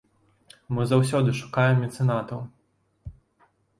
Мы заўсёды шукаем мецэнатаў.